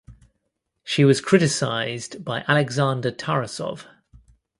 She was criticized by Alexander Tarasov.